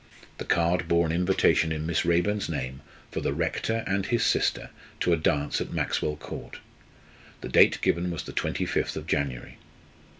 The card bore an invitation in Miss Raeburn's name for the Rector and his sister to a dance at Maxwell Court the date given was the twenty fifth of January.